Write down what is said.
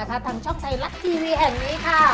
ทางช่องไทยรัฐทีวีแห่งนี้ค่ะ